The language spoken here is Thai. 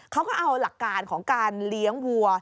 เขาก็เอาหลักการของการเลี้ยงวัว